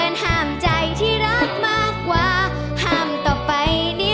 ดูเหรอ